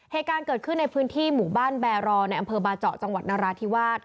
เหตุการณ์เกิดขึ้นในพื้นที่หมู่บ้านแบรอในอำเภอบาเจาะจังหวัดนราธิวาส